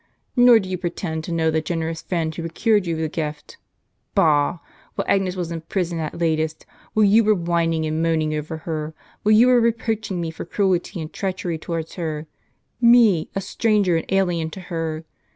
Nor do you pretend to know the generous friend who procured you the gift. Bah ! while Agnes was in prison at latest ; while you were whining and moaning over her ; while you were reproaching me for cruelty and treachery towards her, — me, a stranger and alien to her